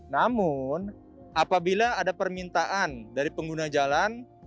namun apabila ada permintaan dari pengguna jalan